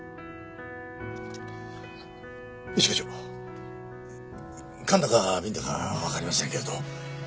一課長缶だか瓶だかわかりませんけれど。